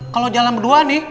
kalo jalan berdua nih